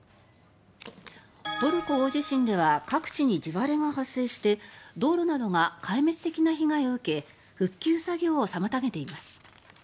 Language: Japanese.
トルコ大地震では各地に地割れが発生して道路などが壊滅的な被害を受け復旧作業を妨げています。